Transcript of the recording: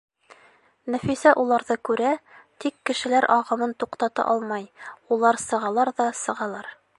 Нәфисә уларҙы күрә, тик кешеләр ағымын туҡтата алмай, улар сығалар ҙа сығалар.